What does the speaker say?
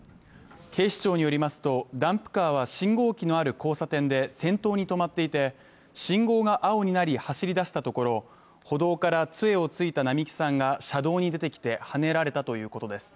警視庁によりますと、ダンプカーは信号機のある交差点で先頭に止まっていて、信号が青になり、走り出したところ、歩道からつえをついた並木さんが車道に出てきてはねられたということです。